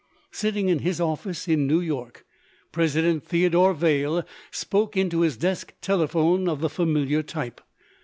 Sitting in his office in New York, President Theodore Vail spoke into his desk telephone of the familiar type.